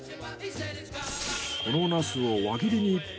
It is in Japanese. このナスを輪切りに。